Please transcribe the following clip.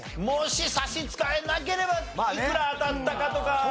もし差し支えなければいくら当たったかとか。